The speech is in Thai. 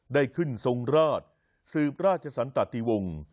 ได้ขึ้นทรงราชสืบราชสันตติวงศ์